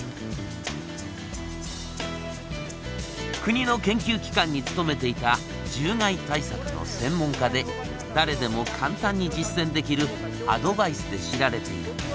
国の研究機関に勤めていた獣害対策の専門家で誰でも簡単に実践できるアドバイスで知られている。